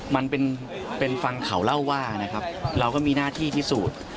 มันเป็นฟังเขาเล่าว่านะครับเราก็มีหน้าที่พิสูจน์